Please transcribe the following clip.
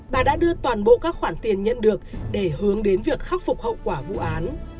bà đã đưa toàn bộ các khoản tiền nhận được để hướng đến việc khắc phục hậu quả vụ án